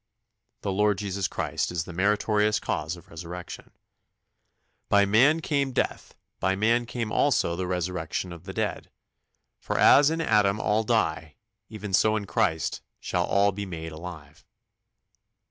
" The Lord Jesus Christ is the meritorious cause of resurrection: "By man came death, by man came also the resurrection of the dead. For as in Adam all die, even so in Christ shall all be made alive."